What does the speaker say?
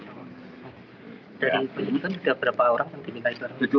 jadi ini kan sudah berapa orang yang dibikai